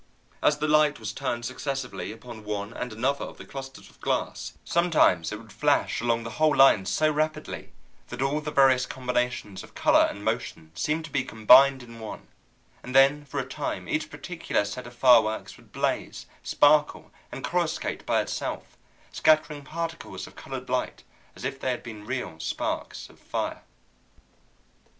As the light was turned successively upon one and another of the clusters of glass, sometimes it would flash along the whole line so rapidly that all the various combinations of color and motion seemed to be combined in one, and then for a time each particular set of fireworks would blaze, sparkle, and coruscate by itself, scattering particles of colored light as if they had been real sparks of fire.